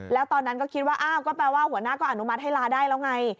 แล้วตอนนั้นก็คิดว่าอ้าวก็แปลว่าหัวหน้าก็อนุมัติให้ลาได้แล้วไง